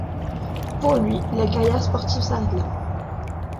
Pour lui, la carrière sportive s'arrête là.